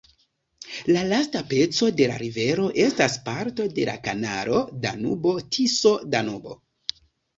La lasta peco de la rivero estas parto de la kanalo Danubo-Tiso-Danubo.